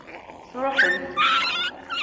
Sṛuḥent.